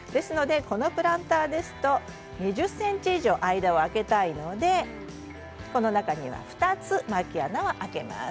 このプランターだと２０ｃｍ以上間を空けたいのでこの中には２つまき穴を開けます。